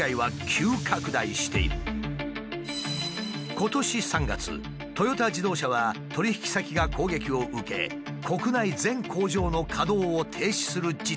今年３月トヨタ自動車は取引先が攻撃を受け国内全工場の稼働を停止する事態となった。